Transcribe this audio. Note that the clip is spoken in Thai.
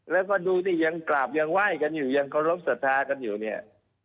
แล้วก็ดูสิยังกราบยังไหว้กันอยู่ยังเคารพสัทธากันอยู่เนี่ย